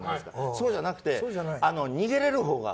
そうじゃなくて逃げられるほうが。